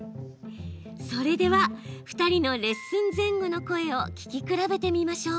それでは、２人のレッスン前後の声を聞き比べてみましょう。